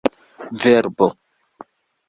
verbo